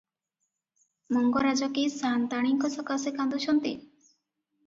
ମଙ୍ଗରାଜ କି ସାଆନ୍ତାଣୀଙ୍କ ସକାଶେ କାନ୍ଦୁଛନ୍ତି?